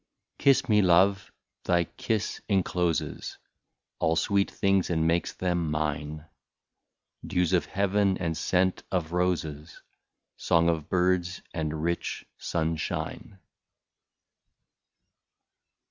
Kiss me, love, thy kiss encloses All sweet things and makes them mine, Dews of heaven, and scent of roses. Song of birds, and rich sunshine.